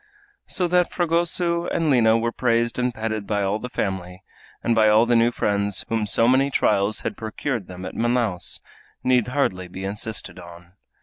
So that Fragoso and Lina were praised and petted by all the family, and by all the new friends whom so many trials had procured them at Manaos, need hardly be insisted on.